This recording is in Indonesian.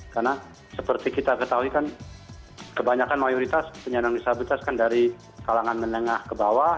karena seperti kita ketahui kan kebanyakan mayoritas penyandang disabilitas kan dari kalangan menengah ke bawah